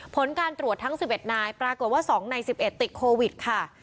ผลการตรวจทั้ง๑๑นายปรากฏว่า๒ใน๑๑ติดโควิดค่ะ